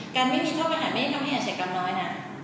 การไม่มีโทษประหารไม่ได้ทำให้อาชีพกรรมน้อยน่ะ